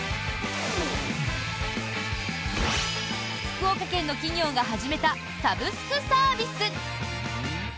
福岡県の企業が始めたサブスクサービス。